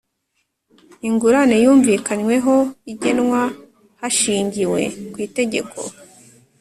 ingurane yumvikanyweho igenwa hashingiwe ku itegeko